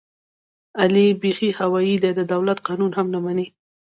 علي بیخي هوایي دی، د دولت قانون هم نه مني.